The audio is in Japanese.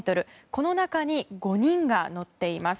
この中に、５人が乗っています。